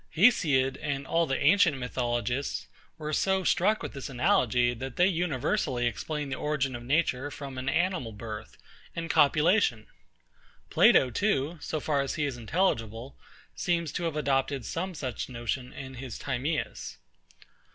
HESIOD, and all the ancient mythologists, were so struck with this analogy, that they universally explained the origin of nature from an animal birth, and copulation. PLATO too, so far as he is intelligible, seems to have adopted some such notion in his TIMAEUS.